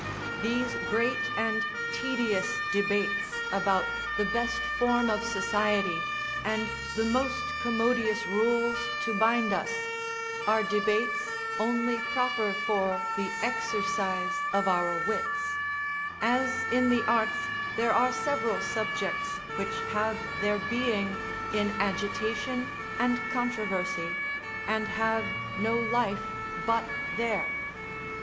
These great and tedious debates about the best form of society, and the most commodious rules to bind us, are debates only proper for the exercise of our wits; as in the arts there are several subjects which have their being in agitation and controversy, and have no life but there.